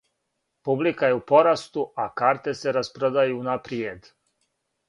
Публика је у порасту, а карте се распродају унапријед.